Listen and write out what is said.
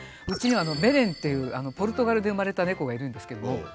うちにはベレンっていうポルトガルで生まれた猫がいるんですけども。